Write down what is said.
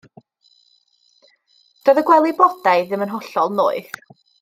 Doedd y gwely blodau ddim yn hollol noeth.